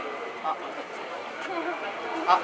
あっ。